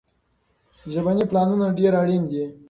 ژبني پلانونه ډېر اړين دي.